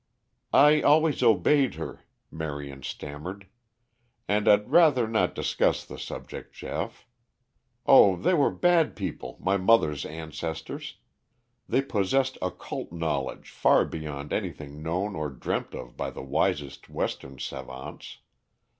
"I always obeyed her," Marion stammered. "And I'd rather not discuss the subject, Geoff. Oh, they were bad people, my mother's ancestors. They possessed occult knowledge far beyond anything known or dreamt of by the wisest Western savants.